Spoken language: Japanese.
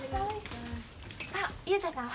あ雄太さん